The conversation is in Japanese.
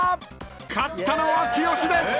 ［勝ったのは剛です！］